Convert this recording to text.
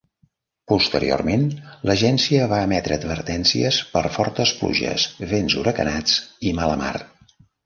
Posteriorment, l'agència va emetre advertències per fortes pluges, vents huracanats i mala mar.